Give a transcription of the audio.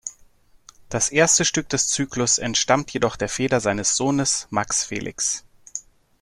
Das erste Stück des Zyklus entstammt jedoch der Feder seines Sohnes Max Felix.